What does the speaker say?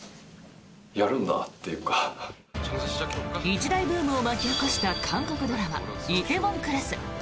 一大ブームを巻き起こした韓国ドラマ「梨泰院クラス」。